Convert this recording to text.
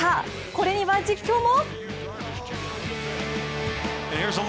これには実況も！